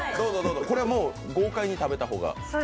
これはもう、豪快に食べた方が？